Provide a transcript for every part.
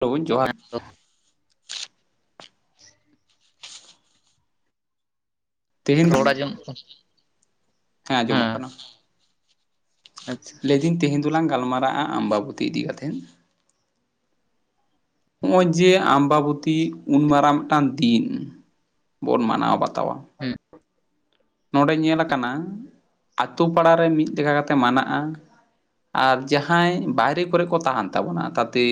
ᱰᱩᱵᱩᱪ ᱡᱚᱦᱟᱨ ᱛᱮᱦᱮᱧ ᱫᱚ ᱨᱚᱲ ᱟᱡᱚᱢ ᱦᱮᱸ ᱟᱸᱡᱚᱢᱚᱜ ᱠᱟᱱᱟ ᱟᱪᱪᱷᱟ ᱞᱟᱹᱭᱮᱫᱤᱧ ᱛᱮᱦᱮᱧ ᱫᱚᱞᱟᱝ ᱜᱟᱞᱢᱟᱨᱟᱜᱼᱟ ᱟᱢᱵᱟᱵᱚᱛᱤ ᱤᱫᱤ ᱠᱟᱛᱮᱫ᱾ ᱱᱚᱜ ᱚᱼᱚᱭ ᱡᱮ ᱟᱢᱵᱟᱵᱚᱛᱤ ᱩᱱ ᱢᱟᱨᱟᱝ ᱢᱤᱫᱴᱟᱝ ᱫᱤᱱ ᱵᱚᱱ ᱢᱟᱱᱟᱣ ᱵᱟᱛᱟᱣᱟ᱾ ᱦᱮᱸ ᱱᱚᱰᱮ ᱧᱮᱞ ᱟᱠᱟᱱᱟ ᱟᱛᱩ ᱯᱟᱲᱟᱨ ᱨᱮ ᱢᱤᱫ ᱞᱮᱠᱟ ᱠᱟᱛᱮᱜ ᱢᱟᱱᱟᱜᱼᱟ᱾ ᱟᱨ ᱡᱟᱦᱟᱸᱭ ᱵᱟᱭᱨᱮ ᱠᱚᱨᱮ ᱠᱚ ᱛᱟᱦᱮᱱ ᱛᱟᱵᱚᱱᱟ ᱛᱟᱛᱮ᱾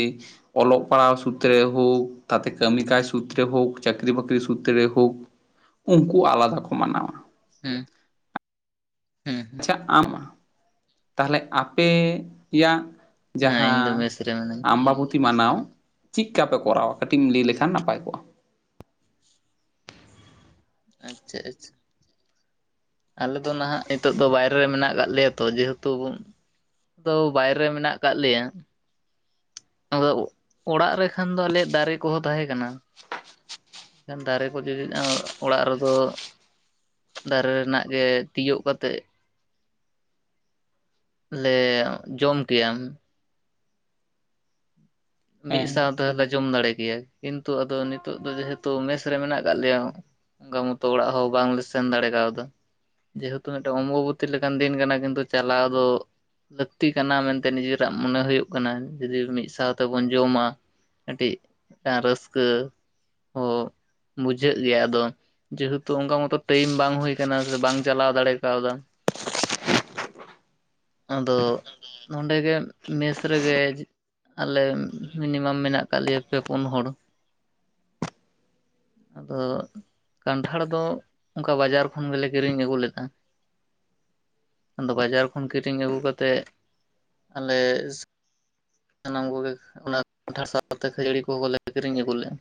ᱚᱞᱚᱜ ᱯᱟᱲᱦᱟᱣ ᱥᱩᱛᱨᱮ ᱦᱳᱠ ᱛᱟᱛᱮ ᱠᱟᱹᱢᱤ ᱠᱟᱡᱽ ᱥᱩᱛᱨᱮ ᱦᱳᱠ ᱪᱟᱹᱠᱨᱤ ᱵᱟᱹᱠᱨᱤ ᱥᱩᱛᱨᱮ ᱦᱳᱠ᱾ ᱩᱱᱠᱩ ᱟᱞᱟᱫᱟ ᱠᱚ ᱢᱟᱱᱟᱣᱟ᱾ ᱦᱮᱸ ᱟᱪᱪᱷᱟ ᱟᱢ ᱛᱟᱦᱚᱞᱮ ᱟᱯᱮᱭᱟᱜ᱾ ᱦᱮᱸ ᱤᱧ ᱡᱟᱦᱟᱸ ᱫᱚ ᱢᱮᱥ ᱨᱮ ᱢᱤᱱᱟᱹᱧᱟ ᱟᱢᱟᱵᱚᱵᱩᱛᱤ ᱢᱟᱱᱟᱣ ᱪᱮᱫ ᱞᱮᱠᱟᱯᱮ ᱠᱚᱨᱟᱣᱟ ᱠᱟᱹᱴᱤᱡ ᱮᱢ ᱞᱟᱹᱭ ᱞᱮᱠᱷᱟᱱ ᱱᱟᱯᱟᱭ ᱠᱚᱜᱼᱟ᱾ ᱟᱪᱪᱷᱟ ᱟᱪᱪᱷᱟ ᱟᱞᱮ ᱫᱚ ᱱᱟᱦᱟᱜ ᱱᱤᱛᱚᱜ ᱫᱚ ᱵᱟᱭᱨᱮ ᱨᱮ ᱢᱮᱱᱟᱜ ᱠᱟᱜ ᱞᱮᱭᱟ ᱛᱚ ᱡᱮᱦᱮᱛᱩ᱾ ᱫᱚ ᱵᱟᱭᱨᱮ ᱢᱮᱱᱟᱜ ᱟᱠᱟᱫ ᱞᱮᱭᱟ᱾ ᱟᱫᱚ ᱚᱲᱟᱜ ᱨᱮᱠᱷᱟᱱ ᱫᱚ ᱟᱞᱮᱭᱟᱜ ᱫᱟᱨᱮ ᱠᱚᱦᱚᱸ ᱛᱟᱦᱮᱸ ᱠᱟᱱᱟ᱾ ᱮᱱᱠᱷᱟᱱ ᱫᱟᱨᱮ ᱠᱚ ᱡᱩᱫᱤ ᱚᱲᱟᱜ ᱨᱮᱫᱚ᱾ ᱫᱟᱨᱮ ᱨᱮᱱᱟᱜ ᱜᱮ ᱛᱤᱭᱳᱜ ᱠᱟᱛᱮᱜ᱾ ᱞᱮ ᱡᱚᱢ ᱠᱮᱭᱟ᱾ ᱢᱤᱫ ᱦᱮᱸ ᱥᱟᱶ ᱛᱮᱦᱚᱸᱞᱮ ᱡᱚᱢ ᱫᱟᱲᱮ ᱠᱮᱭᱟ ᱠᱤᱱᱛᱩ ᱟᱫᱚ ᱱᱤᱛᱚᱜ ᱫᱚ ᱡᱮᱦᱮᱛᱩ ᱢᱮᱥ ᱨᱮ ᱢᱮᱱᱟᱜ ᱠᱟᱫ ᱞᱮᱭᱟ᱾ ᱚᱱᱠᱟ ᱢᱚᱛᱚ ᱚᱲᱟᱜ ᱦᱚᱸ ᱵᱟᱝᱞᱮ ᱥᱮᱱ ᱫᱟᱲᱮ ᱠᱟᱣᱫᱟ᱾ ᱡᱮᱦᱮᱛᱩ ᱢᱤᱫᱴᱮᱱ ᱚᱢᱵᱚᱵᱩᱛᱤ ᱞᱮᱠᱟᱱ ᱫᱤᱱ ᱠᱟᱱᱟ ᱠᱤᱱᱛᱩ ᱪᱟᱞᱟᱣ ᱫᱚ᱾ ᱞᱟᱹᱠᱛᱤ ᱠᱟᱱᱟ ᱢᱮᱱᱛᱮ ᱱᱤᱡᱮᱨᱟᱜ ᱢᱚᱱᱮ ᱦᱩᱭᱩᱜ ᱠᱟᱱᱟ ᱡᱩᱫᱤ ᱢᱤᱫ ᱥᱟᱶ᱾ ᱛᱮᱵᱚᱱ ᱡᱚᱢᱟ ᱢᱤᱫᱴᱤᱡ ᱨᱟᱹᱥᱠᱟᱹ᱾ ᱦᱚᱸ [unintelligible] ᱵᱩᱡᱷᱟᱹᱜ ᱜᱮᱭᱟ ᱟᱫᱚ᱾ ᱡᱮᱦᱮᱛᱩ ᱚᱱᱠᱟ ᱢᱚᱛᱚ ᱴᱟᱭᱤᱢ ᱵᱟᱝ ᱦᱩᱭ ᱟᱠᱟᱱᱟ ᱥᱮ ᱵᱟᱝ ᱪᱟᱞᱟᱣ ᱫᱟᱲᱮ ᱠᱟᱣᱫᱟ᱾ [inaudible] ᱟᱫᱚ ᱾ ᱱᱚᱸᱰᱮ ᱜᱮ ᱢᱮᱥ ᱨᱮᱜᱮ ᱟᱞᱮ ᱢᱤᱱᱤᱢᱟᱢ ᱢᱮᱱᱟ-ᱜ ᱟᱠᱟᱫ ᱞᱮᱭᱟ᱾ ᱯᱮ ᱯᱩᱱ ᱦᱚᱲ᱾ [inaudible] ᱟᱫᱚ ᱠᱟᱱᱴᱷᱽᱟᱲ ᱫᱚ, ᱚᱱᱠᱟ ᱵᱟᱡᱟᱨ ᱠᱷᱚᱱ ᱜᱮᱞᱮ, ᱠᱤᱨᱤᱧ ᱟᱹᱜᱩ ᱞᱮᱫᱟ᱾ ᱟᱫᱚ᱾ ᱵᱟᱡᱟᱨ ᱠᱷᱚᱱ ᱠᱤᱨᱤᱧ ᱟᱹᱜᱩ ᱠᱟᱛᱮᱫ, ᱟᱞᱮ ᱥᱟᱱᱟᱢ ᱠᱚ-ᱜᱮ ᱚᱱᱟᱷᱟ ᱥᱟᱶᱛᱮ ᱠᱷᱟᱹᱡᱟᱹᱲᱤ ᱠᱚ-ᱦᱚᱸ ᱞᱮ ᱠᱤᱨᱤᱧ ᱟᱹᱜᱩ ᱞᱮᱫᱼᱟ᱾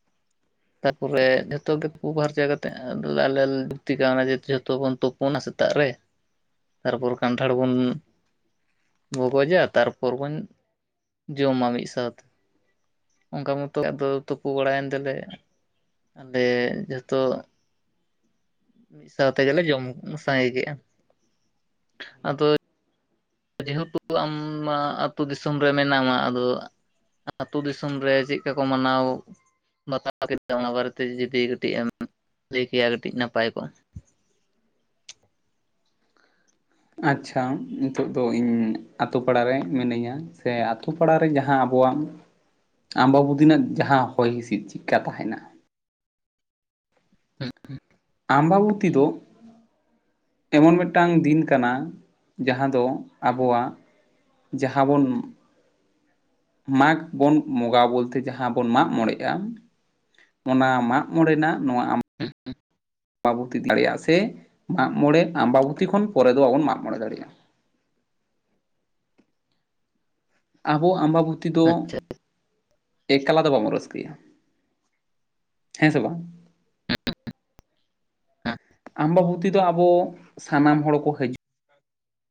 [inaudible] ᱛᱟᱯᱚᱨᱮ ᱾ ᱡᱷᱚᱛᱚ ᱜᱮ ᱛᱩᱯᱩ ᱯᱷᱟᱨᱪᱟ ᱠᱟᱛᱮᱮᱫ᱾ ᱟᱞᱮ ᱞᱩᱠᱛᱤ ᱠᱟᱣᱱᱟ ᱡᱮ ᱡᱷᱚᱛᱚ ᱵᱚᱱ ᱛᱚᱵ ᱚᱱᱟ ᱥᱮᱛᱟ-ᱜ ᱨᱮ, ᱛᱟᱨᱯᱚᱨ ᱠᱟᱱᱴᱷᱽᱟᱲ ᱵᱚᱱ ᱵᱚᱜᱚᱡᱟ᱾ ᱛᱟᱨᱯᱚᱨ ᱵᱚᱱ ᱡᱚᱢᱟ ᱢᱤᱫ ᱥᱟᱶᱛᱮ᱾ ᱚᱱᱠᱟ ᱢᱚᱛᱚ ᱟᱫᱚ ᱛᱩᱯᱩ ᱵᱟᱲᱟᱭᱮᱱ ᱛᱮᱞᱮ ᱟᱞᱮ ᱡᱚᱛᱚ ᱢᱤᱫ ᱥᱟᱶ ᱛᱮᱜᱮᱞᱮ, ᱡᱚᱢ ᱥᱟᱸᱜᱮ ᱠᱮᱫᱼᱟ᱾ ᱟᱫᱚ ᱡᱮᱦᱮᱛᱩ ᱟᱢ ᱟ ᱾ ᱟᱹᱛᱩ ᱫᱤᱥᱚᱢ ᱨᱮ ᱢᱮᱱᱟᱢᱟ᱾ ᱟᱫᱚ ᱟᱹᱛᱩ ᱫᱤᱥᱚᱢ ᱨᱮ, ᱪᱮᱫᱠᱟ ᱠᱚ ᱢᱟᱱᱟ-ᱣ ᱵᱟᱛᱟᱣ ᱠᱮᱫᱟ᱾ ᱚᱱᱟ ᱵᱟᱨᱮ ᱛᱮ ᱡᱩᱫᱤ ᱠᱟᱹᱴᱤᱡ, ᱮᱢ ᱞᱟᱹᱭ ᱠᱮᱭᱟ ᱾ ᱠᱟᱹᱴᱤᱡ ᱱᱟᱯᱟᱼᱭ ᱠᱚᱜ-ᱟ? ᱟᱪᱪᱷᱟᱸ ᱱᱤᱛᱚ-ᱜ ᱫᱚ᱾ ᱤᱧ ᱟᱹᱛᱩ ᱯᱟᱲᱟ ᱨᱮ ᱢᱤᱱᱟᱹᱧᱟ᱾ ᱥᱮ ᱟᱛᱩᱯᱼᱼ ᱯᱟᱲᱟ ᱨᱮ ᱡᱟᱦᱟᱸ ᱟᱵᱚᱣᱟᱼᱜ ᱟᱢᱵᱟᱵᱩᱫᱤ ᱨᱮᱱᱟ-ᱜ ᱡᱟᱦᱟᱸ ᱦᱚᱭ, ᱦᱤᱸᱥᱤᱫᱽ ᱪᱤᱜ ᱠᱟ ᱛᱟᱦᱮᱱᱟ᱾ ᱦᱩᱸ᱾ᱜ ᱦᱩᱸ᱾ ᱟᱢᱟᱼᱵᱩᱛᱤ ᱫᱚᱼᱼ ᱮᱢᱚᱱ ᱢᱤᱫᱴᱟᱝ ᱫᱤᱱ ᱠᱟᱱᱟ᱾ ᱡᱟᱦᱟᱸ ᱫᱚ ᱟᱵᱚᱣᱟᱼᱜᱼᱼ ᱡᱟᱦᱟᱸ ᱵᱚᱱᱼᱼ ᱢᱟᱜᱽ ᱵᱚᱱ ᱵᱚᱺᱜᱟ᱾ ᱵᱚᱞᱛᱮ ᱡᱟᱦᱟᱸ ᱵᱚᱱ ᱢᱟᱜ ᱢᱚᱬᱮᱸᱜ-ᱟ᱾ ᱚᱱᱟ ᱢᱟᱜ ᱢᱚᱬᱮᱸ ᱨᱮᱱᱟ-ᱜ ᱱᱚᱣᱟ ᱾ᱟᱢᱼᱼ ᱩᱸ ᱩᱸ᱾ [inaudible] ᱟᱢᱵᱟ-ᱵᱩᱛᱤ ᱫᱟᱲᱮᱭᱟᱜ-ᱟ ᱥᱮ ᱢᱟᱜ ᱢᱚᱬᱮᱸ ᱟᱢᱵᱟ-ᱵᱩᱛᱤ ᱠᱷᱚᱱ ᱯᱚᱨᱮ ᱫᱚ᱾ ᱵᱟᱵᱚᱱ ᱢᱟᱜ ᱢᱚᱬᱮᱸ ᱫᱟᱲᱤᱜ-ᱟ᱾ ᱟᱵᱚᱣᱟᱼᱜ ᱟᱸᱢᱵᱟ-ᱵᱩᱛᱤ ᱫᱚᱼᱼ ᱟᱪᱪᱷᱟ ᱮ ᱠᱟᱞᱟ ᱫᱚ, ᱵᱟᱵᱚᱱ ᱨᱟᱹᱥᱠᱟᱹ ᱭᱟ ᱾ᱦᱮᱸ ᱥᱮ ᱵᱟᱝ᱾ ᱟᱢᱵᱟᱵᱩᱛᱤ ᱫᱚ, ᱟᱵᱚ ᱥᱟᱱᱟᱢ ᱦᱚᱲ ᱠᱚ ᱦᱟᱹᱡᱩᱜᱼᱼ ᱟ᱾